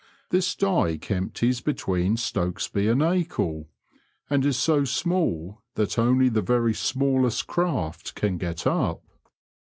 This dyke empties between Stokesby and Acle, and is so small that only the very smallest craft can get up.